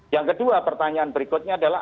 yang kedua pertanyaan berikutnya adalah